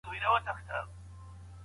خپلي لور يا زوی ته ناسمي مشورې ورکوي.